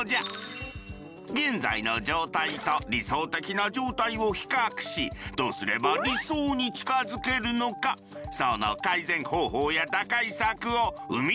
現在の状態と理想的な状態を比較しどうすれば理想に近づけるのかその改善方法や打開策を生み出していくのじゃ！